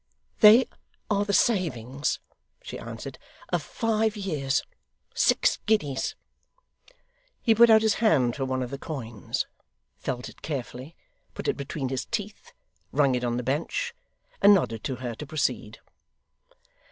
'They are the savings,' she answered, 'of five years. Six guineas.' He put out his hand for one of the coins; felt it carefully, put it between his teeth, rung it on the bench; and nodded to her to proceed.